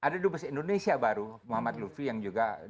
ada dubes indonesia baru muhammad lutfi yang juga